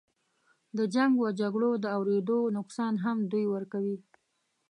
د جنګ و جګړو د اودرېدو نقصان هم دوی ورکوي.